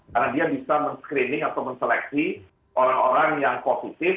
karena dia bisa men screening atau men seleksi orang orang yang positif